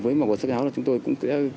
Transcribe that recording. với một bộ sức khảo là chúng tôi cũng